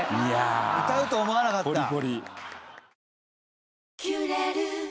歌うと思わなかった。